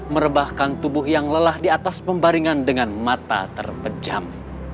merebahkan tubuh yang lelah di atas pembaringan dengan mata terpejam